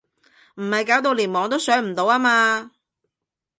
唔係搞到連網都上唔到呀嘛？